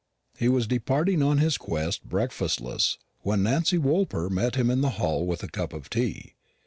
He was departing on his quest breakfastless, when Nancy Woolper met him in the hall with a cup of tea.